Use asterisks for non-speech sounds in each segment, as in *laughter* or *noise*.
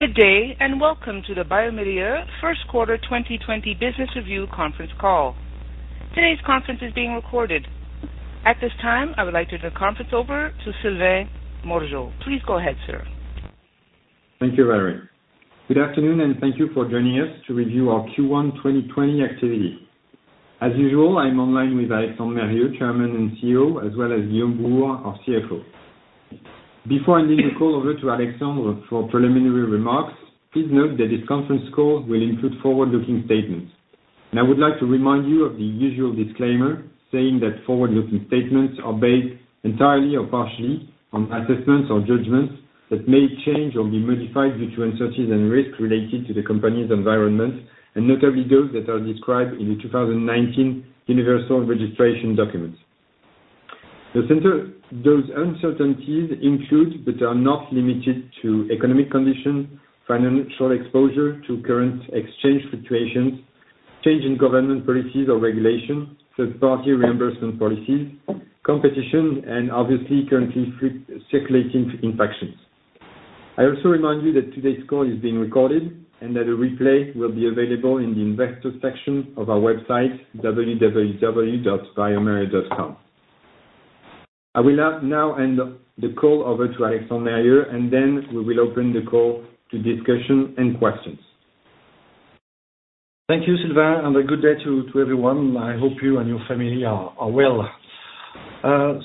Good day, and welcome to the bioMérieux First Quarter 2020 Business Review Conference Call. Today's conference is being recorded. At this time, I would like to turn the conference over to Sylvain Morgeau. Please go ahead, sir. Thank you, Valerie. Good afternoon, and thank you for joining us to review our Q1 2020 activity. As usual, I'm online with Alexandre Mérieux, Chairman and CEO, as well as Guillaume Bouhours, our CFO. Before I hand the call over to Alexandre for preliminary remarks, please note that this conference call will include forward-looking statements. I would like to remind you of the usual disclaimer, saying that forward-looking statements are based entirely or partially on assessments or judgments that may change or be modified due to uncertainties and risks related to the company's environment, and notably those that are described in the 2019 universal registration documents. Those uncertainties include, but are not limited to, economic conditions, financial exposure to current exchange situations, change in government policies or regulations, third-party reimbursement policies, competition, and obviously, currently circulating infections. I also remind you that today's call is being recorded and that a replay will be available in the investor section of our website, www.biomerieux.com. I will now hand the call over to Alexandre Mérieux, and then we will open the call to discussion and questions. Thank you, Sylvain, and a good day to everyone. I hope you and your family are well.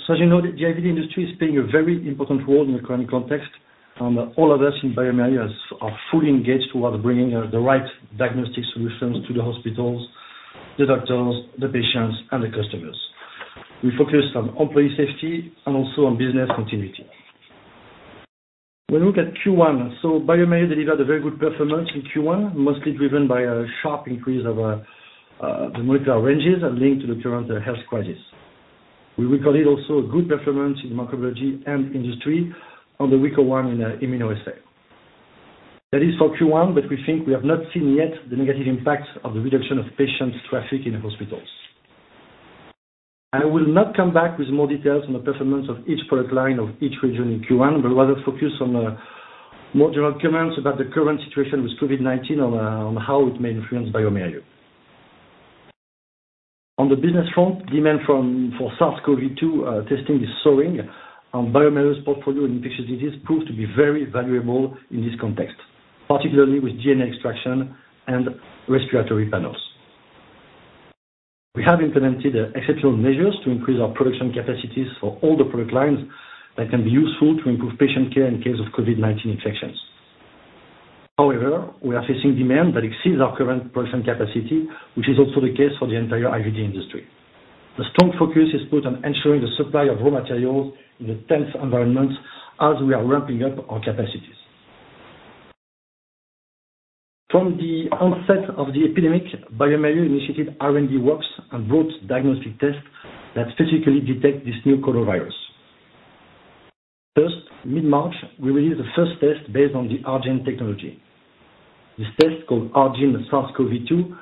So as you know, the IVD industry is playing a very important role in the current context, and all of us in bioMérieux are fully engaged toward bringing the right diagnostic solutions to the hospitals, the doctors, the patients, and the customers. We focus on employee safety and also on business continuity. When we look at Q1, so bioMérieux delivered a very good performance in Q1, mostly driven by a sharp increase of the molecular ranges and linked to the current health crisis. We recorded also a good performance in microbiology and industry on the weaker one in immunoassay. That is for Q1, but we think we have not seen yet the negative impact of the reduction of patient traffic in the hospitals. I will not come back with more details on the performance of each product line of each region in Q1, but rather focus on more general comments about the current situation with COVID-19 on how it may influence bioMérieux. On the business front, demand from, for SARS-CoV-2 testing is soaring, and bioMérieux's portfolio in infectious diseases proved to be very valuable in this context, particularly with DNA extraction and respiratory panels. We have implemented exceptional measures to increase our production capacities for all the product lines that can be useful to improve patient care in case of COVID-19 infections. However, we are facing demand that exceeds our current production capacity, which is also the case for the entire IVD industry. The strong focus is put on ensuring the supply of raw materials in a tense environment as we are ramping up our capacities. From the onset of the epidemic, bioMérieux initiated R&D works and built diagnostic tests that specifically detect this new coronavirus. First, mid-March, we released the first test based on the ARGENE technology. This test, called ARGENE SARS-CoV-2,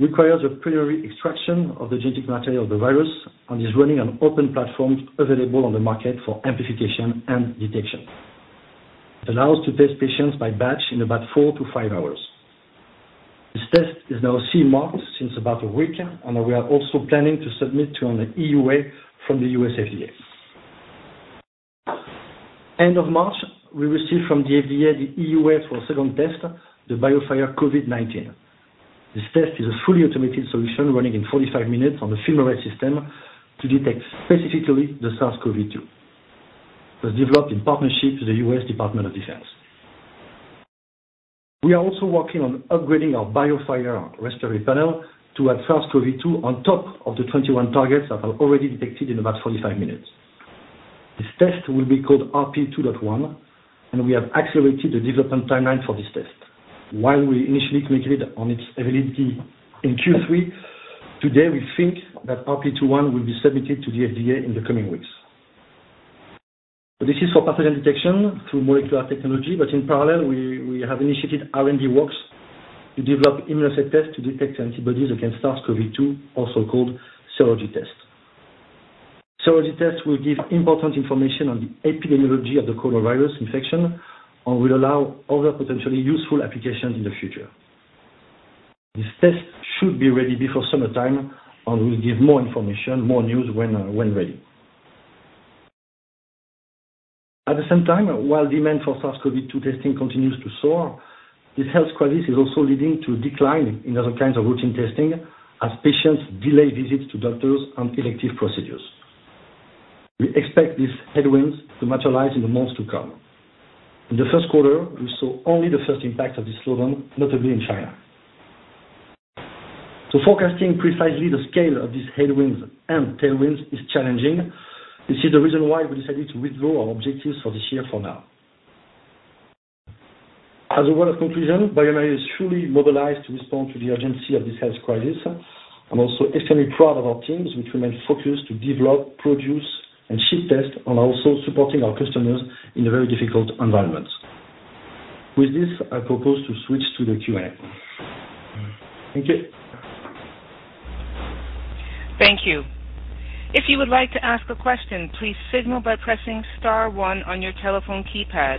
requires a primary extraction of the genetic material of the virus and is running on open platforms available on the market for amplification and detection. It allows to test patients by batch in about 4-5 hours. This test is now CE marked since about a week, and we are also planning to submit to an EUA from the U.S. FDA. End of March, we received from the FDA the EUA for a second test, the BioFire COVID-19. This test is a fully automated solution running in 45 minutes on the FilmArray system to detect specifically the SARS-CoV-2. It was developed in partnership with the U.S. Department of Defense. We are also working on upgrading our BioFire Respiratory Panel to add SARS-CoV-2 on top of the 21 targets that are already detected in about 45 minutes. This test will be called RP 2.1, and we have accelerated the development timeline for this test. While we initially committed on its availability in Q3, today, we think that RP 2.1 will be submitted to the FDA in the coming weeks. This is for pathogen detection through molecular technology, but in parallel, we, we have initiated R&D works to develop immunoassay tests to detect antibodies against SARS-CoV-2, also called serology tests. Serology tests will give important information on the epidemiology of the coronavirus infection and will allow other potentially useful applications in the future. This test should be ready before summertime, and we'll give more information, more news when, when ready. At the same time, while demand for SARS-CoV-2 testing continues to soar, this health crisis is also leading to a decline in other kinds of routine testing as patients delay visits to doctors and elective procedures. We expect these headwinds to materialize in the months to come. In the first quarter, we saw only the first impact of this slowdown, notably in China. So forecasting precisely the scale of these headwinds and tailwinds is challenging. This is the reason why we decided to withdraw our objectives for this year for now. As a word of conclusion, bioMérieux is truly mobilized to respond to the urgency of this health crisis. I'm also extremely proud of our teams, which remain focused to develop, produce, and ship tests and are also supporting our customers in a very difficult environment. With this, I propose to switch to the Q&A. Thank you. Thank you. If you would like to ask a question, please signal by pressing star one on your telephone keypad.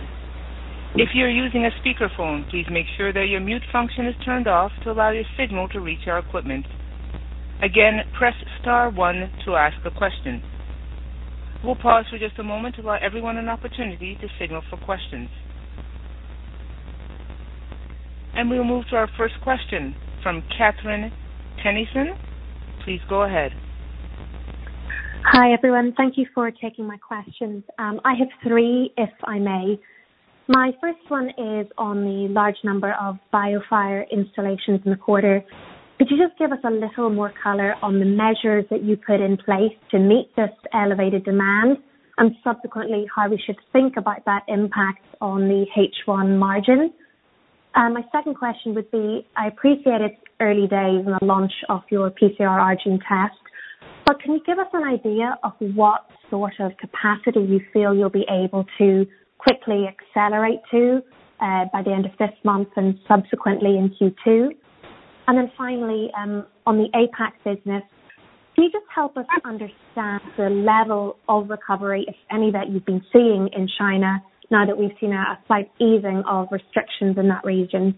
If you're using a speakerphone, please make sure that your mute function is turned off to allow your signal to reach our equipment. Again, press star one to ask a question. We'll pause for just a moment to allow everyone an opportunity to signal for questions. And we'll move to our first question from Catherine Tennyson. Please go ahead. Hi, everyone. Thank you for taking my questions. I have three, if I may. My first one is on the large number of BioFire installations in the quarter. Could you just give us a little more color on the measures that you put in place to meet this elevated demand, and subsequently, how we should think about that impact on the H1 margin? My second question would be, I appreciate it's early days in the launch of your PCR ARGENE test, but can you give us an idea of what sort of capacity you feel you'll be able to quickly accelerate to, by the end of this month and subsequently in Q2? And then finally, on the APAC business, can you just help us understand the level of recovery, if any, that you've been seeing in China now that we've seen a slight easing of restrictions in that region?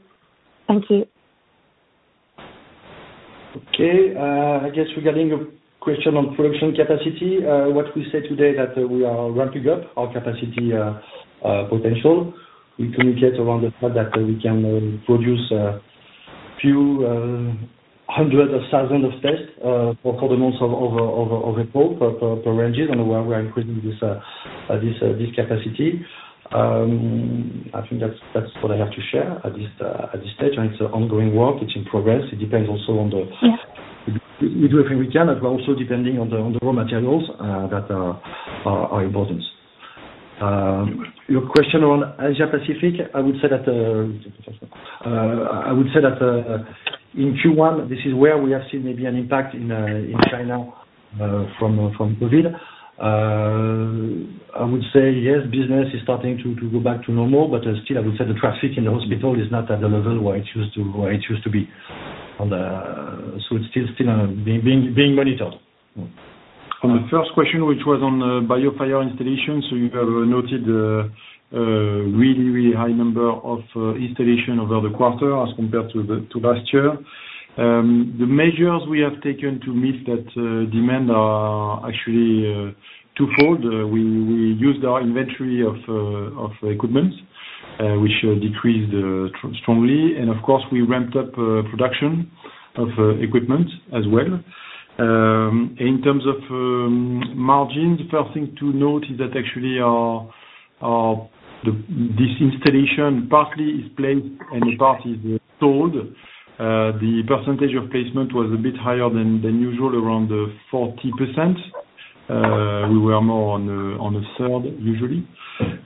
Thank you. Okay, I guess regarding a question on production capacity, what we say today that we are ramping up our capacity potential. We communicate around the fact that we can produce a few hundreds of thousands of tests for the months of per ranges, and we're increasing this capacity. I think that's what I have to share at this stage, and it's ongoing work. It's in progress. It depends also on the- Yes. We do everything we can, but we're also depending on the raw materials that are important. Your question on Asia Pacific, I would say that in Q1, this is where we have seen maybe an impact in China from COVID. I would say, yes, business is starting to go back to normal, but still, I would say the traffic in the hospital is not at the level where it used to be. So it's still being monitored. On the first question, which was on the BioFire installation, so you have noted the really high number of installations over the quarter as compared to last year. The measures we have taken to meet that demand are actually twofold. We used our inventory of equipments, which decreased strongly, and of course, we ramped up production of equipment as well. In terms of margins, first thing to note is that actually our the—this installation partly is placed and in part is stored. The percentage of placement was a bit higher than usual, around 40%. We were more on a third, usually.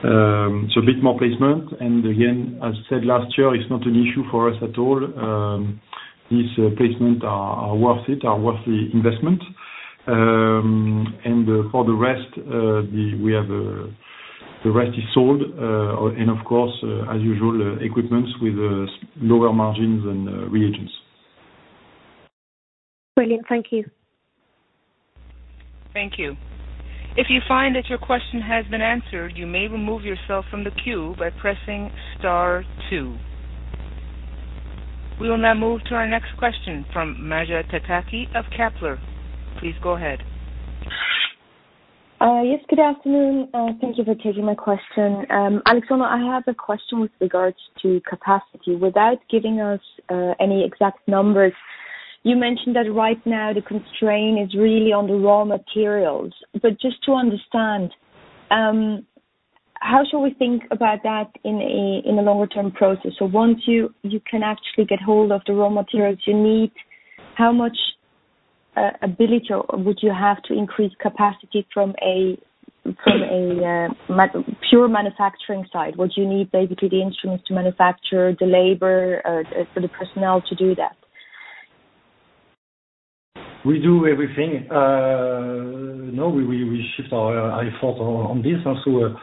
So a bit more placement, and again, as said last year, it's not an issue for us at all. This placement are worth it, are worth the investment. And for the rest, the... We have the rest is sold, and of course, as usual, equipment with lower margins than reagents. Brilliant. Thank you. Thank you. If you find that your question has been answered, you may remove yourself from the queue by pressing star two. We will now move to our next question from Maja Pataki of Kepler. Please go ahead. Yes, good afternoon, thank you for taking my question. Alexandre, I have a question with regards to capacity. Without giving us any exact numbers, you mentioned that right now the constraint is really on the raw materials. But just to understand, how should we think about that in a longer term process? So once you can actually get hold of the raw materials you need, how much ability would you have to increase capacity from a pure manufacturing side? Would you need basically the instruments to manufacture, the labor for the personnel to do that? We do everything. No, we shift our effort on this. Also,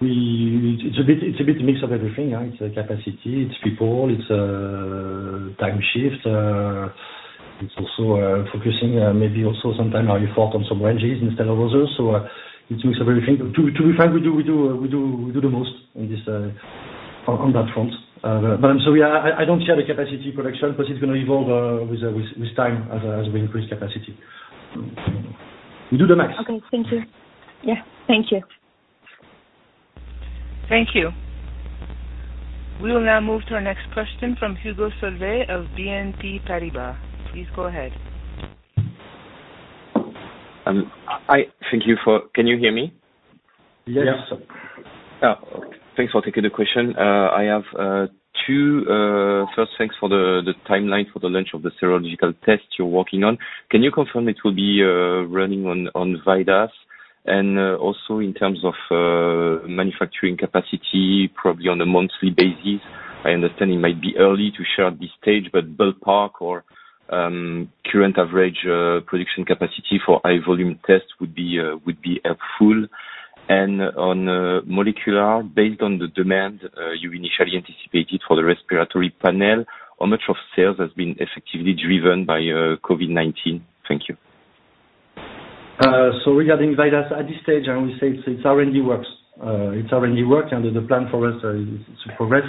it's a bit, it's a bit mix of everything, right? It's the capacity, it's people, it's time shift, it's also focusing, maybe also sometime our effort on some ranges instead of others. So, it's a mix of everything. To be fair, we do the most on this, on that front. But I'm sorry, I don't share the capacity production, but it's gonna evolve, with time as we increase capacity. We do the max. Okay. Thank you. Yeah, thank you. Thank you. We will now move to our next question from Hugo Solvet of BNP Paribas. Please go ahead. Hi, thank you for. Can you hear me? Yes. Ah, thanks for taking the question. I have two... First, thanks for the timeline for the launch of the serological test you're working on. Can you confirm it will be running on VIDAS? And also in terms of manufacturing capacity, probably on a monthly basis, I understand it might be early to share at this stage, but ballpark or current average production capacity for high volume tests would be helpful. And on molecular, based on the demand you initially anticipated for the respiratory panel, how much of sales has been effectively driven by COVID-19? Thank you. So regarding VIDAS, at this stage, I would say it's R&D works. It's R&D work, and the plan for us is to progress.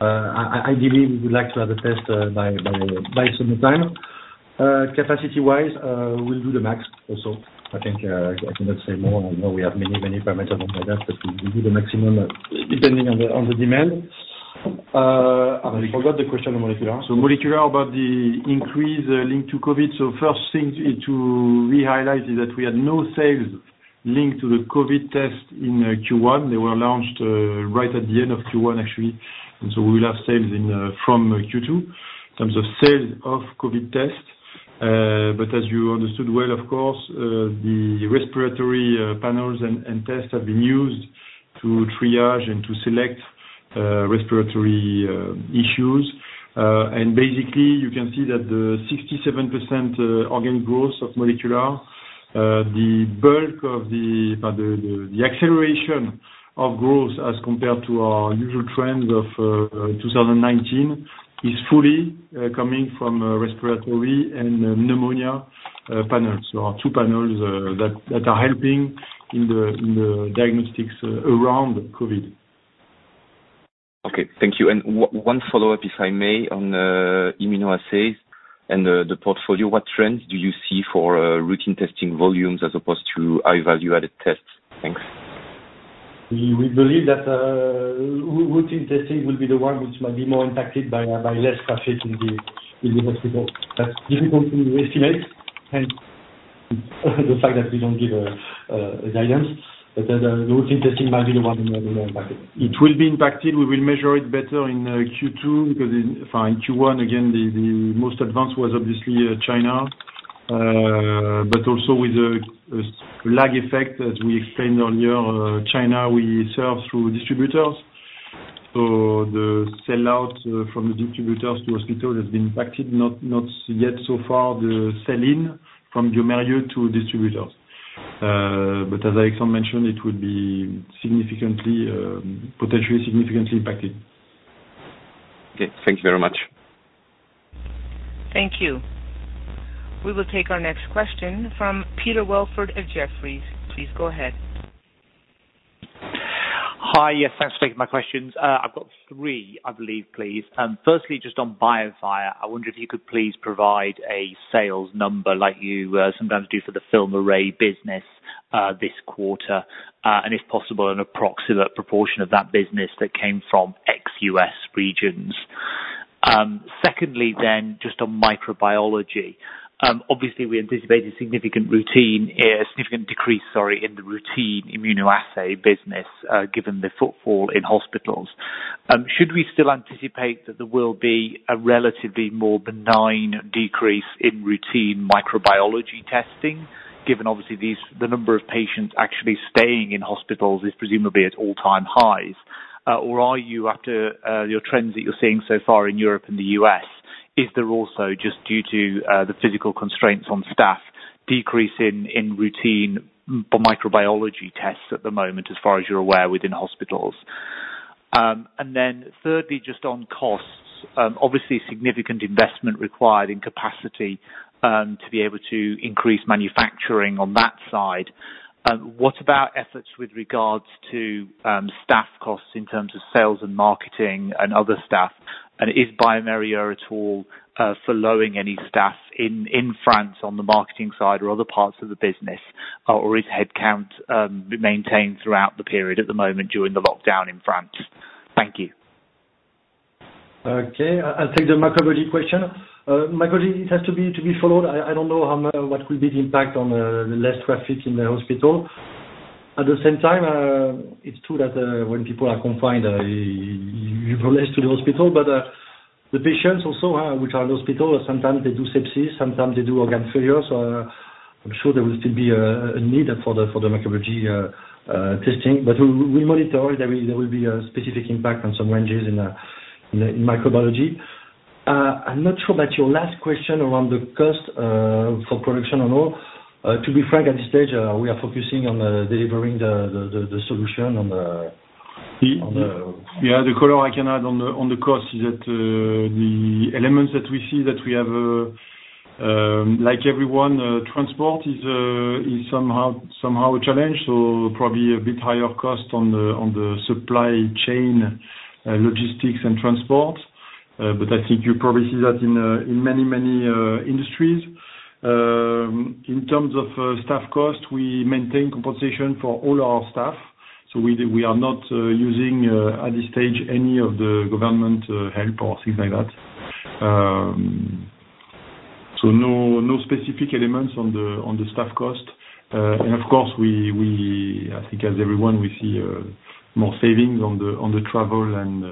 Ideally, we would like to have a test by summertime. Capacity-wise, we'll do the max also. I think I cannot say more. I know we have many, many parameters like that, but we do the maximum depending on the demand. I forgot the question on molecular. So molecular, about the increase linked to COVID. So first thing is to re-highlight is that we had no sales linked to the COVID test in Q1. They were launched right at the end of Q1, actually. And so we will have sales in from Q2 in terms of sales of COVID tests. But as you understood well, of course, the respiratory panels and tests have been used to triage and to select respiratory issues. And basically, you can see that the 67% organic growth of molecular, the bulk of the acceleration of growth as compared to our usual trend of 2019, is fully coming from respiratory and pneumonia panels. Our two panels that are helping in the diagnostics around COVID. Okay, thank you. And one follow-up, if I may, on immunoassays and the portfolio. What trends do you see for routine testing volumes as opposed to high value-added tests? Thanks. We believe that routine testing will be the one which might be more impacted by less traffic in the hospital. But difficult to estimate, and the fact that we don't give guidance, but then routine testing might be the one more impacted. It will be impacted. We will measure it better in Q2, because in Q1, again, the most advanced was obviously China. But also with a lag effect, as we explained earlier, China, we sell through distributors. So the sellout from the distributors to hospital has been impacted, not yet so far the sell-in from bioMérieux to distributors. But as Alexandre mentioned, it would be significantly, potentially significantly impacted. Okay. Thank you very much. Thank you. We will take our next question from Peter Welford of Jefferies. Please go ahead. Hi, yes. Thanks for taking my questions. I've got three, I believe, please. Firstly, just on BioFire, I wonder if you could please provide a sales number like you sometimes do for the FilmArray business this quarter. And if possible, an approximate proportion of that business that came from ex-US regions. Secondly then, just on microbiology, obviously we anticipate a significant routine, a significant decrease, sorry, in the routine immunoassay business, given the footfall in hospitals. Should we still anticipate that there will be a relatively more benign decrease in routine microbiology testing, given obviously these, the number of patients actually staying in hospitals is presumably at all-time highs? Or are you up to your trends that you're seeing so far in Europe and the U.S., is there also, just due to the physical constraints on staff, decrease in routine microbiology tests at the moment, as far as you're aware, within hospitals? And then thirdly, just on costs, obviously significant investment required in capacity to be able to increase manufacturing on that side. What about efforts with regards to staff costs in terms of sales and marketing and other staff? And is bioMérieux at all furloughing any staff in France on the marketing side or other parts of the business, or is headcount maintained throughout the period at the moment during the lockdown in France? Thank you. Okay, I'll take the microbiology question. Microbiology, it has to be followed. I don't know how what will be the impact on the less traffic in the hospital. At the same time, it's true that when people are confined, you go less to the hospital. But the patients also which are in the hospital, sometimes they do sepsis, sometimes they do organ failure. So, I'm sure there will still be a need for the microbiology testing. But we monitor it. There will be a specific impact on some ranges in microbiology. I'm not sure about your last question around the cost for production on all. To be frank, at this stage, we are focusing on delivering the solution on the- Yeah, the color I can add on the cost is that the elements that we see that we have, like everyone, transport is somehow a challenge, so probably a bit higher cost on the supply chain, logistics and transport. But I think you probably see that in many industries. In terms of staff cost, we maintain compensation for all our staff, so we are not using, at this stage, any of the government help or things like that. So no specific elements on the staff cost. And of course, we, I think as everyone, we see more savings on the travel and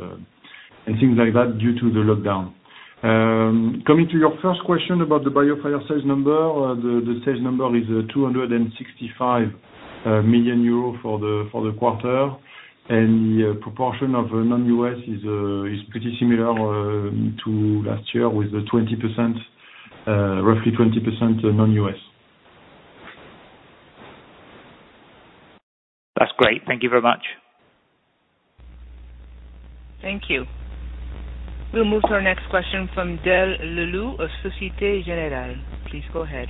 things like that due to the lockdown. Coming to your first question about the BioFire sales number, the sales number is 265 million euro for the quarter. And the proportion of non-U.S. is pretty similar to last year, with the 20%, roughly 20% non-U.S. That's great. Thank you very much. Thank you. We'll move to our next question from Delphine Le Louët of Société Générale. Please go ahead.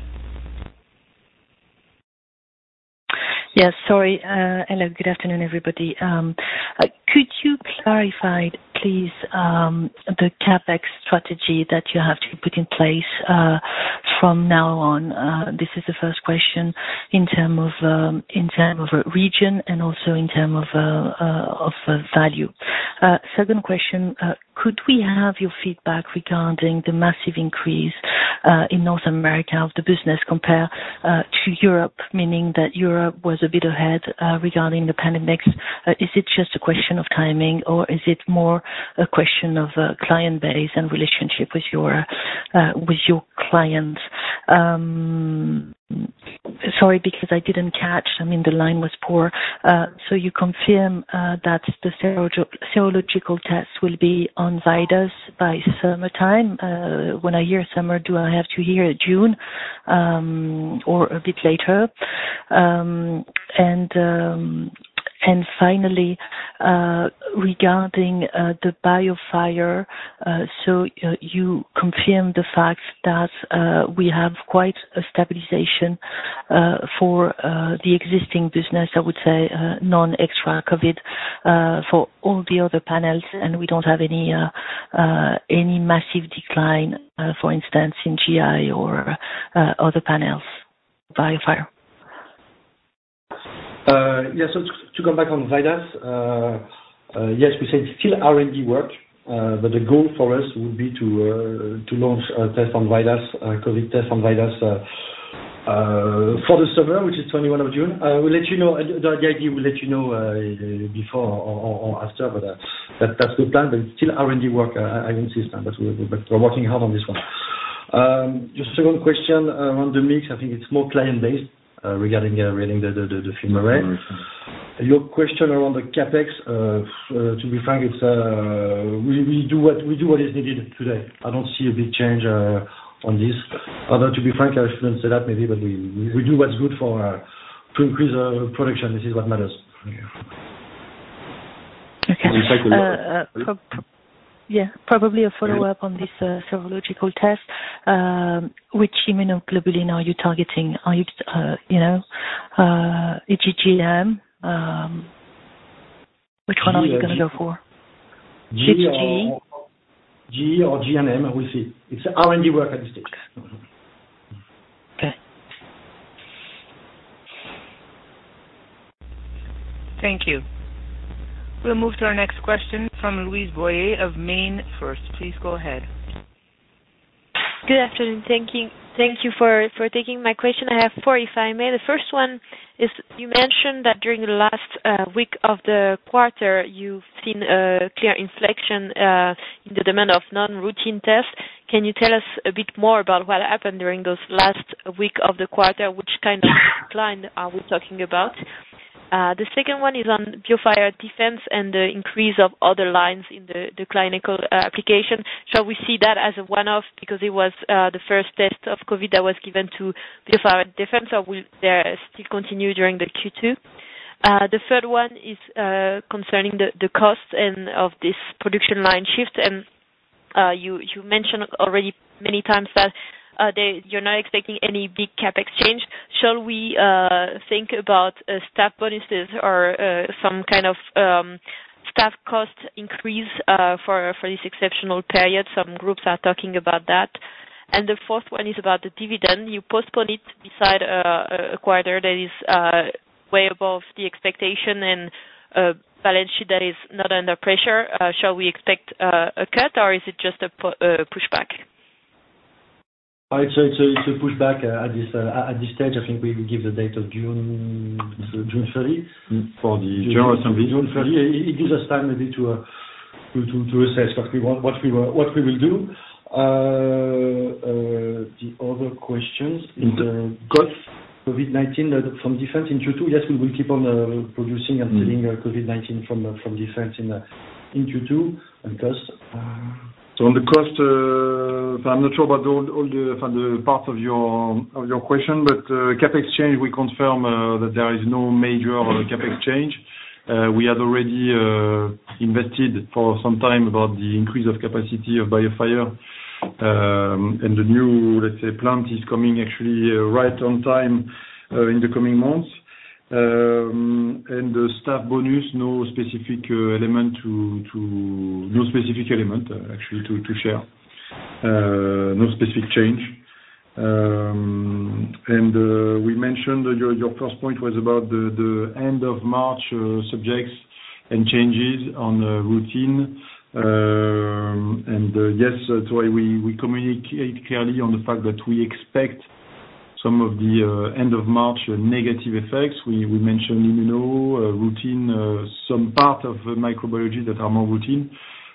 Yes, sorry, hello, good afternoon, everybody. Could you clarify, please, the CapEx strategy that you have to put in place, from now on? This is the first question in term of, in term of region and also in term of, of value. Second question, could we have your feedback regarding the massive increase, in North America of the business compared, to Europe, meaning that Europe was a bit ahead, regarding the pandemic. Is it just a question of timing, or is it more a question of, client base and relationship with your, with your clients? Sorry, because I didn't catch, I mean, the line was poor. So you confirm, that the serological tests will be on VIDAS by summertime? When I hear summer, do I have to hear June, or a bit later? And finally, regarding the BioFire, so you confirm the fact that we have quite a stabilization for the existing business, I would say, non-extra COVID, for all the other panels, and we don't have any massive decline, for instance, in GI or other panels, BioFire. Yes, so to come back on VIDAS, yes, we say it's still R&D work, but the goal for us would be to launch a test on VIDAS, COVID test on VIDAS, for the summer, which is 21 of June. I will let you know, the idea, we'll let you know before or after. But, that, that's the plan, but it's still R&D work. I insist on that, but we're working hard on this one. Your second question around the mix, I think it's more client-based, regarding the FilmArray, right? Your question around the CapEx, to be frank, it's we do what is needed today. I don't see a big change on this. Although, to be frank, I shouldn't say that maybe, but we, we do what's good for, to increase our production. This is what matters. Okay. *crosstalk* Yeah, probably a follow-up on this serological test. Which immunoglobulin are you targeting? Are you, you know, IgM? Which one are you gonna go for? IgG? G or G and M, we'll see. It's R&D work at the stage. Okay. Thank you. We'll move to our next question from Louise Boyer of MainFirst. Please go ahead. Good afternoon. Thank you, thank you for, for taking my question. I have four, if I may. The first one is: you mentioned that during the last week of the quarter, you've seen a clear inflection in the demand of non-routine tests. Can you tell us a bit more about what happened during those last week of the quarter? Which kind of decline are we talking about? The second one is on BioFire Defense and the increase of other lines in the clinical application. Shall we see that as a one-off because it was the first test of COVID that was given to BioFire Defense, or will there still continue during the Q2? The third one is concerning the cost of this production line shift, and you mentioned already many times that you're not expecting any big CapEx change. Shall we think about staff bonuses or some kind of staff cost increase for this exceptional period? Some groups are talking about that. The fourth one is about the dividend. You postpone it despite a quarter that is way above the expectation and balance sheet that is not under pressure. Shall we expect a cut, or is it just a pushback? It's a pushback at this stage. I think we will give the date of June 30, is it June 30? For the general assembly. June 30. It gives us time maybe to assess what we want, what we will do. The other question is the cost, COVID-19 from defense in Q2, yes, we will keep on producing and selling COVID-19 from defense in Q2 and cost So, on the cost, so I'm not sure about all, all the, from the part of your, of your question, but CapEx change, we confirm that there is no major CapEx change. We have already invested for some time about the increase of capacity of BioFire, and the new, let's say, plant is coming actually right on time, in the coming months. And the staff bonus, no specific element to, to... No specific element actually to, to share. No specific change. And we mentioned your, your first point was about the, the end of March subjects and changes on routine. And yes, that's why we, we communicate clearly on the fact that we expect some of the end of March negative effects. We mentioned immuno routine, some part of microbiology that are more routine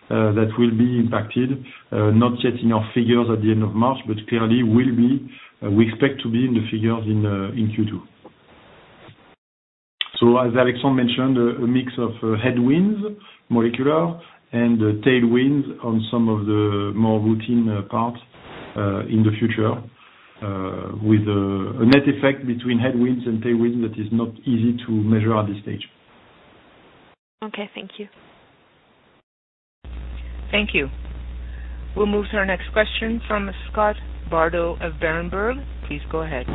that will be impacted, not yet in our figures at the end of March, but clearly will be. We expect to be in the figures in Q2. So as Alexandre mentioned, a mix of headwinds, molecular, and tailwinds on some of the more routine parts in the future, with a net effect between headwinds and tailwinds that is not easy to measure at this stage. Okay, thank you. Thank you. We'll move to our next question from Scott Bardo of Berenberg. Please go ahead.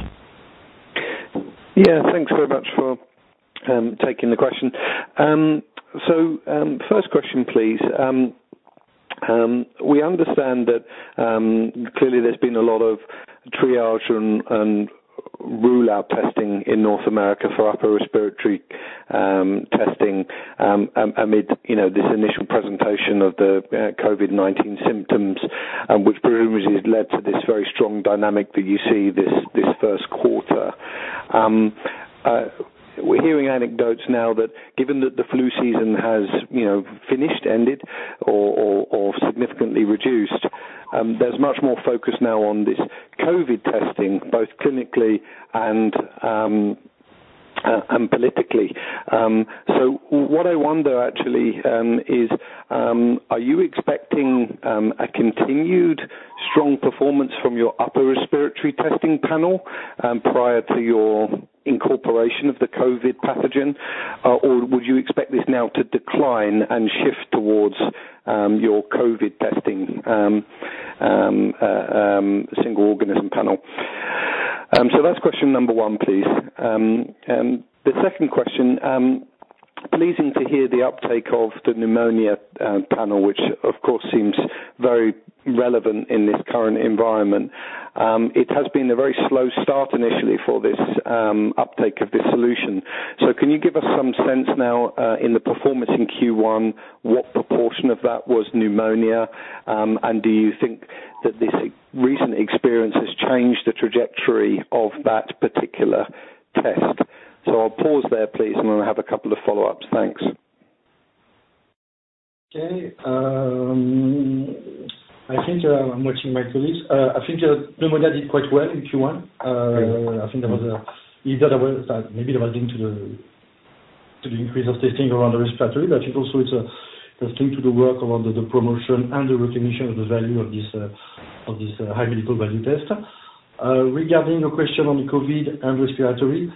Yeah, thanks very much for taking the question. So, first question, please. We understand that clearly there's been a lot of triage and rule out testing in North America for upper respiratory testing amid, you know, this initial presentation of the COVID-19 symptoms, which presumably has led to this very strong dynamic that you see this first quarter. We're hearing anecdotes now that given that the flu season has, you know, finished, ended or significantly reduced, there's much more focus now on this COVID testing, both clinically and politically. So what I wonder actually is are you expecting a continued strong performance from your upper respiratory testing panel prior to your incorporation of the COVID pathogen? Or would you expect this now to decline and shift towards your COVID testing single organism panel? So that's question number one, please. And the second question, pleasing to hear the uptake of the pneumonia panel, which of course, seems very relevant in this current environment. It has been a very slow start initially for this uptake of this solution. So can you give us some sense now in the performance in Q1, what proportion of that was pneumonia? And do you think that this recent experience has changed the trajectory of that particular test? So I'll pause there, please, and then I have a couple of follow-ups. Thanks. Okay. I think, I'm watching my colleagues. I think, pneumonia did quite well in Q1. I think there was a, either there was, maybe relating to the, to the increase of testing around the respiratory, but it also it's, it's due to the work around the, the promotion and the recognition of the value of this, of this high medical value test. Regarding your question on the COVID and respiratory,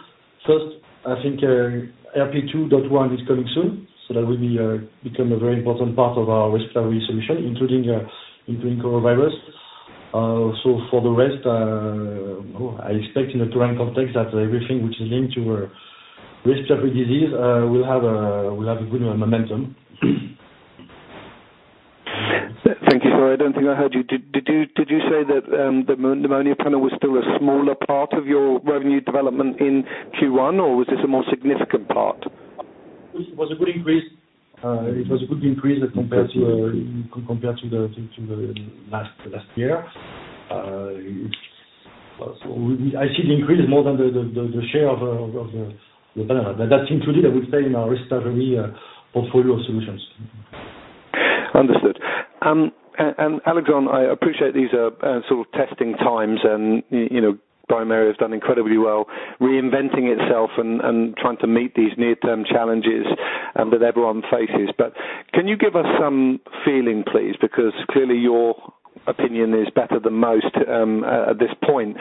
first, I think, RP 2.1 is coming soon, so that will be, become a very important part of our respiratory solution, including, including coronavirus. So for the rest, I expect in the current context, that everything which is linked to, respiratory disease, will have a, will have a good momentum. Thank you. Sorry, I don't think I heard you. Did you say that the pneumonia panel was still a smaller part of your revenue development in Q1, or was this a more significant part? It was a good increase. It was a good increase as compared to, compared to the, to the last, last year. So I see the increase more than the, the, the share of the, of the, the panel. But that's included, I would say, in our respiratory, portfolio solutions. Understood. And Alexandre, I appreciate these are sort of testing times, and you know, bioMérieux has done incredibly well, reinventing itself and trying to meet these near-term challenges that everyone faces. But can you give us some feeling, please, because clearly your opinion is better than most at this point,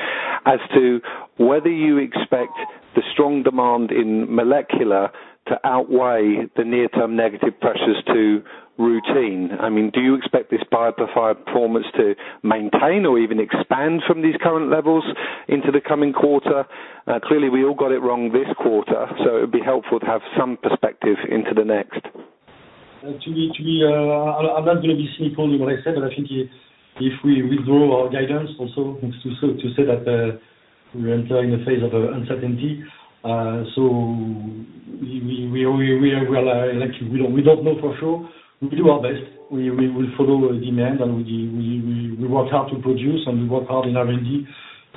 as to whether you expect the strong demand in molecular to outweigh the near-term negative pressures to routine? I mean, do you expect this BioFire performance to maintain or even expand from these current levels into the coming quarter? Clearly, we all got it wrong this quarter, so it'd be helpful to have some perspective into the next. I'm not going to be simple in what I said, but I think if we withdraw our guidance also, is to say that we enter in a phase of uncertainty. So we like, we don't know for sure. We do our best. We follow demand, and we work hard to produce, and we work hard in R&D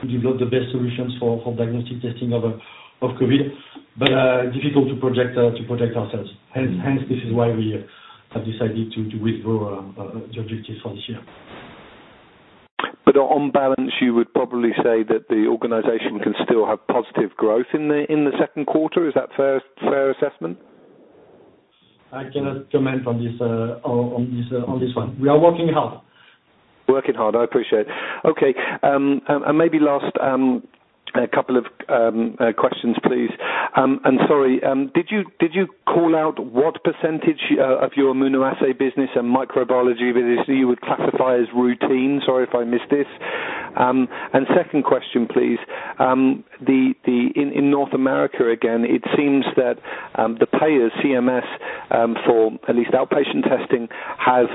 to develop the best solutions for diagnostic testing of COVID. But difficult to project ourselves. Hence, this is why we have decided to withdraw the objectives for this year. But on balance, you would probably say that the organization can still have positive growth in the, in the second quarter? Is that fair, fair assessment? I cannot comment on this one. We are working hard. Working hard. I appreciate it. Okay, and maybe last, a couple of questions, please. And sorry, did you call out what percentage of your immunoassay business and microbiology business you would classify as routine? Sorry if I missed this. And second question, please. The in North America again, it seems that the payers, CMS, for at least outpatient testing, have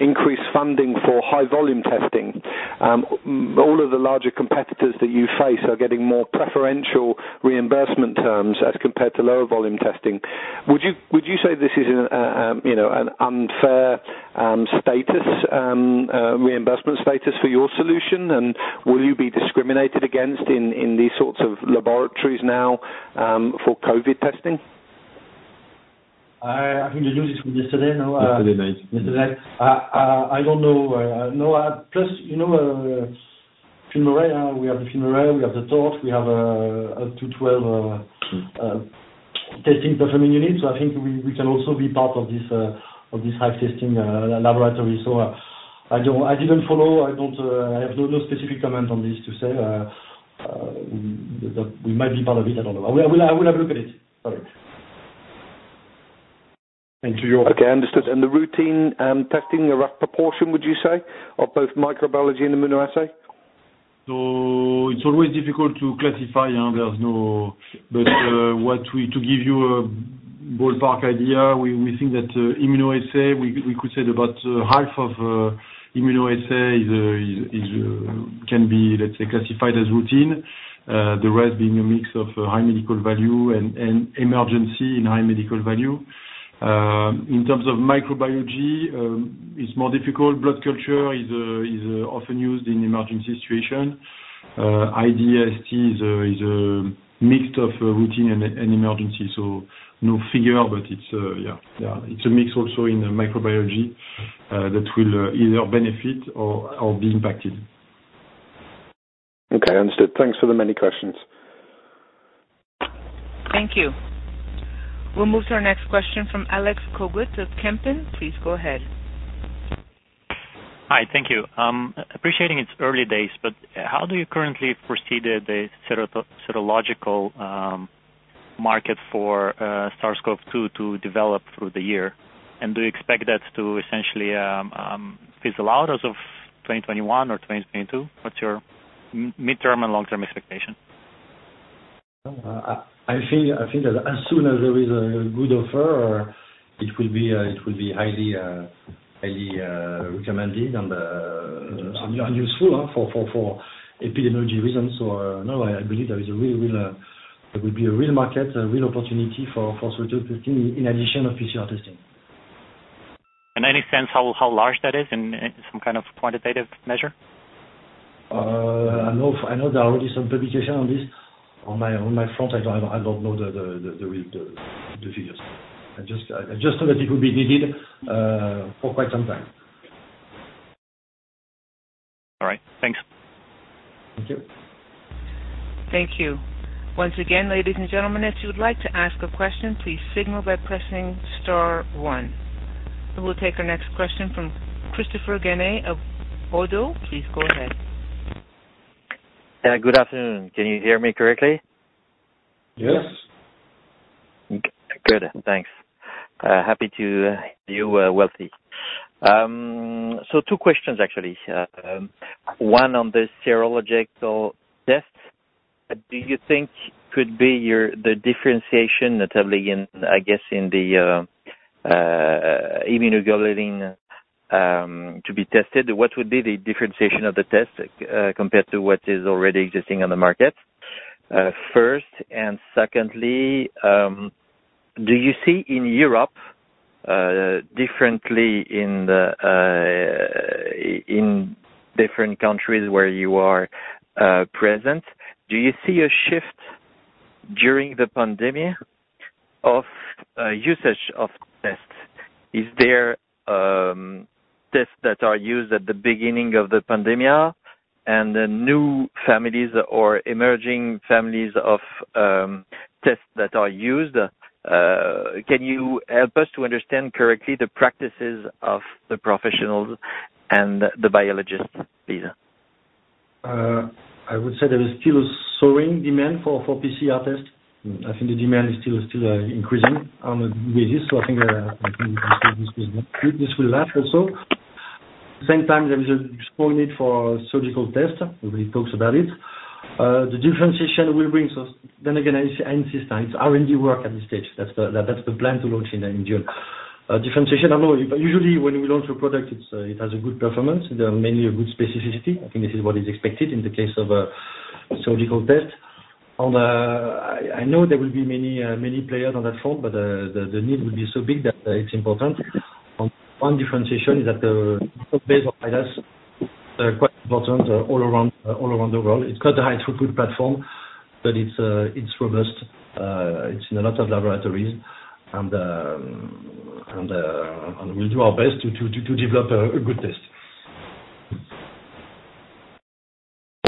increased funding for high volume testing. All of the larger competitors that you face are getting more preferential reimbursement terms as compared to lower volume testing. Would you say this is an you know, an unfair status reimbursement status for your solution? And will you be discriminated against in these sorts of laboratories now, for COVID testing? I think the news is yesterday. No, yesterday. I don't know. No, high-plex, you know, FilmArray. We have the FilmArray, we have the Torch, we have up to 12 testing performing units. So I think we can also be part of this of this high testing laboratory. So I don't. I didn't follow. I don't. I have no, no specific comment on this to say. We might be part of it, I don't know. I will have a look at it. Sorry. Thank you. Okay, understood. And the routine testing, a rough proportion, would you say, of both microbiology and immunoassay? So it's always difficult to classify, and there's no... But to give you a ballpark idea, we think that immunoassay we could say about half of immunoassay is can be, let's say, classified as routine. The rest being a mix of high medical value and emergency and high medical value. In terms of microbiology, it's more difficult. Blood culture is often used in emergency situation. ID/AST is a mix of routine and emergency. So no figure, but it's a mix also in microbiology that will either benefit or be impacted. Okay, understood. Thanks for the many questions. Thank you. We'll move to our next question from Alex Cogut of Kempen. Please go ahead. Hi, thank you. Appreciating its early days, but how do you currently foresee the serological market for SARS-CoV-2 to develop through the year? And do you expect that to essentially fizzle out as of 2021 or 2022? What's your midterm and long-term expectation? I think that as soon as there is a good offer, it will be highly recommended and useful for epidemiology reasons. So, no, I believe there will be a real market, a real opportunity for serology testing in addition of PCR testing. In any sense, how, how large that is in some kind of quantitative measure? I know, I know there are already some publications on this. On my, on my front, I don't, I don't know the figures. I just, I just know that it will be needed for quite some time. All right. Thanks. Thank you. Thank you. Once again, ladies and gentlemen, if you would like to ask a question, please signal by pressing star one. We will take our next question from Christophe-Raphael Ganet of Oddo BHF. Please go ahead. Good afternoon. Can you hear me correctly? Yes. Good. Thanks. Happy to see you, well. So two questions, actually. One on the serological test. Do you think could be your the differentiation, notably in, I guess, in the immunoglobulins to be tested? What would be the differentiation of the test, compared to what is already existing on the market? First and secondly, do you see in Europe, differently in the in different countries where you are present, do you see a shift during the pandemic of usage of tests? Is there tests that are used at the beginning of the pandemic and the new families or emerging families of tests that are used? Can you help us to understand correctly the practices of the professionals and the biologists, please? I would say there is still a soaring demand for PCR test. I think the demand is still increasing on a daily basis. So I think this will last also. Same time, there is a strong need for serology test. Everybody talks about it. The differentiation will bring, so then again, I insist, it's R&D work at this stage. That's the plan to launch in June. Differentiation, I know usually when you launch a product, it has a good performance. There are mainly a good specificity. I think this is what is expected in the case of a serology test. On the... I know there will be many players on that front, but the need will be so big that it's important. One differentiation is that the base of VIDAS, they're quite important all around the world. It's got a high throughput platform, but it's robust. It's in a lot of laboratories, and we'll do our best to develop a good test.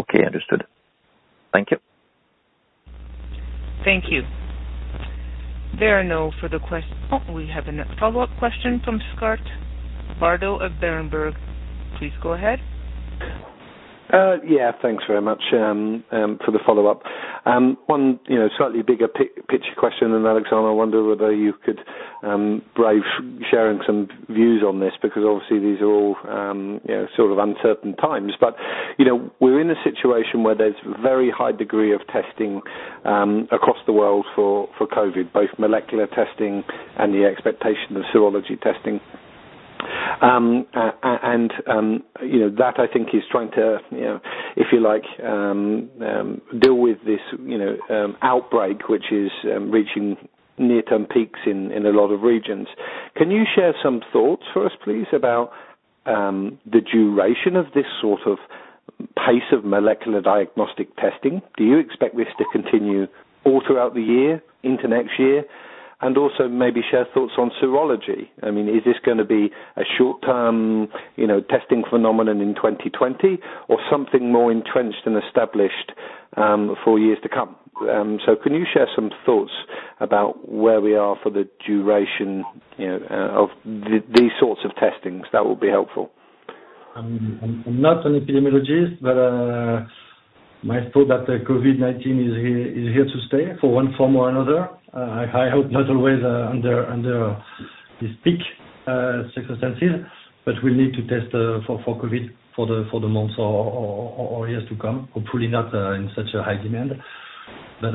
Okay, understood. Thank you. Thank you. There are no further questions. Oh, we have a follow-up question from Scott Bardo of Berenberg. Please go ahead. Yeah, thanks very much for the follow-up. One, you know, slightly bigger picture question than Alexander. I wonder whether you could brave sharing some views on this, because obviously these are all, you know, sort of uncertain times. But, you know, we're in a situation where there's very high degree of testing across the world for COVID, both molecular testing and the expectation of serology testing. And, you know, that I think is trying to, you know, if you like, deal with this, you know, outbreak, which is reaching near-term peaks in a lot of regions. Can you share some thoughts for us, please, about the duration of this sort of pace of molecular diagnostic testing? Do you expect this to continue all throughout the year, into next year? Also maybe share thoughts on serology. I mean, is this gonna be a short-term, you know, testing phenomenon in 2020 or something more entrenched and established, for years to come? So can you share some thoughts about where we are for the duration, you know, of these sorts of testings? That will be helpful. I'm not an epidemiologist, but my thought that the COVID-19 is here, is here to stay for one form or another. I hope not always under this peak circumstances, but we need to test for COVID for the months or years to come, hopefully not in such a high demand. But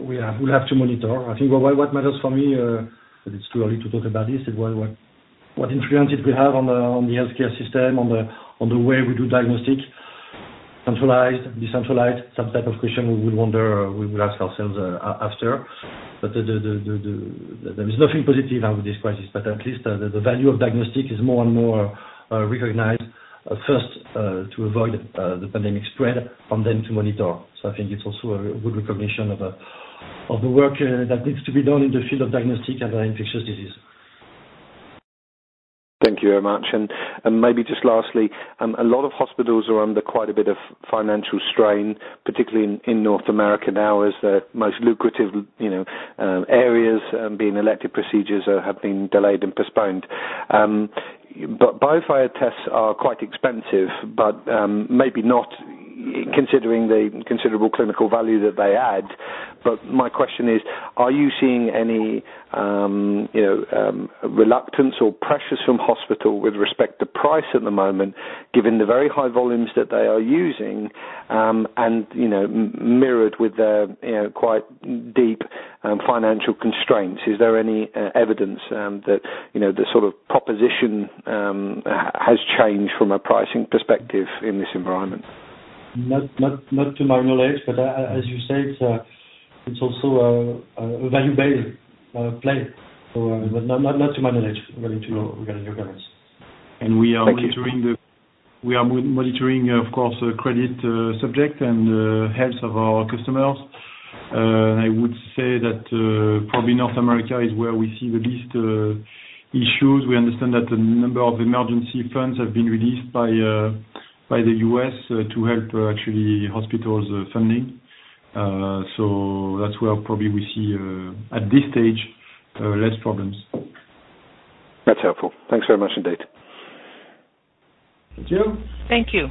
we'll have to monitor. I think what matters for me, but it's too early to talk about this, is what influence it will have on the healthcare system, on the way we do diagnostic. Centralized, decentralized, some type of question we will wonder, we will ask ourselves after. But there is nothing positive out of this crisis, but at least, the value of diagnostic is more and more recognized, first, to avoid the pandemic spread, and then to monitor. So I think it's also a good recognition of the work that needs to be done in the field of diagnostic and infectious disease. Thank you very much. Maybe just lastly, a lot of hospitals are under quite a bit of financial strain, particularly in North America now, as the most lucrative, you know, areas, being elective procedures are, have been delayed and postponed. But BioFire tests are quite expensive, but, maybe not considering the considerable clinical value that they add. But my question is: Are you seeing any, you know, reluctance or pressures from hospital with respect to price at the moment, given the very high volumes that they are using, and, you know, mirrored with the, you know, quite deep, financial constraints? Is there any evidence, that, you know, the sort of proposition, has changed from a pricing perspective in this environment? Not to my knowledge, but as you said, it's also a value-based play. So, but not to my knowledge, relating to your comments. And we are- Thank you. We are monitoring, of course, the credit subject and health of our customers. I would say that probably North America is where we see the least issues. We understand that a number of emergency funds have been released by the US to help actually hospitals funding. So that's where probably we see at this stage less problems. That's helpful. Thanks very much indeed. Thank you. Thank you.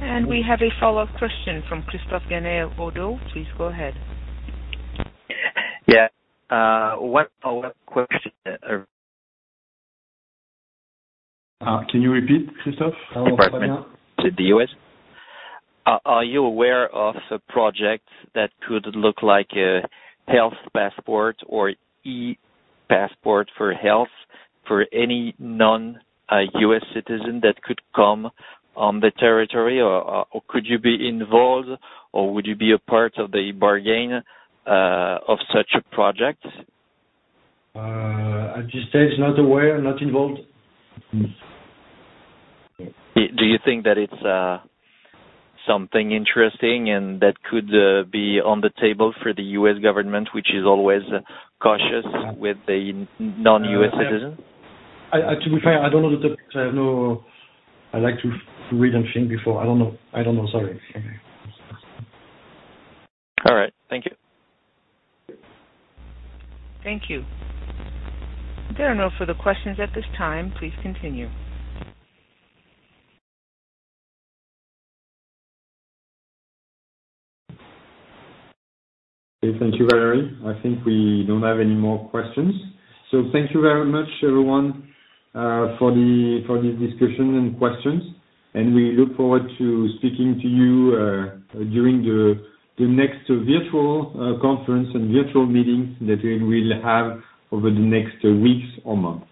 And we have a follow-up question from Christophe-Raphael Ganet of Oddo BHF. Please go ahead. Yeah. One follow-up question, Can you repeat, Christophe, your partner? To the U.S. Are you aware of a project that could look like a health passport or e-passport for health for any non-US citizen that could come on the territory? Or could you be involved, or would you be a part of the bargain of such a project? At this stage, not aware, not involved. Do you think that it's something interesting and that could be on the table for the U.S. government, which is always cautious with the non-U.S. citizens? To be fair, I don't know the topic. I like to read on thing before. I don't know. I don't know. Sorry. All right. Thank you. Thank you. There are no further questions at this time. Please continue. Okay. Thank you, Valerie. I think we don't have any more questions. So thank you very much, everyone, for the discussion and questions, and we look forward to speaking to you during the next virtual conference and virtual meetings that we will have over the next weeks or months.